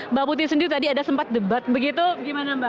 mbak putih sendiri tadi ada sempat debat begitu gimana mbak